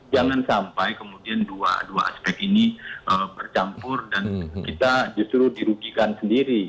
jangan sampai kemudian dua aspek ini bercampur dan kita justru dirugikan sendiri